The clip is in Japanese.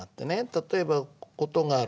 例えば「ことがある。」